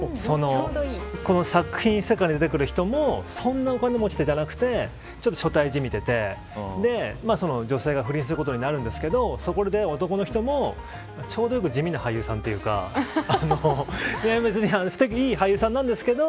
この作品の世界に出てくる人もそんなお金持ちじゃなくてちょっと所帯じみてて女性が不倫することになるんですけどそこで出会う男の人もちょうど良く地味な俳優さんというか別に、すてきでいい俳優さんなんですけど